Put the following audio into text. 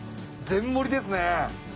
全盛りです。